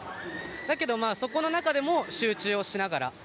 だけど、そこの中でも集中しながら。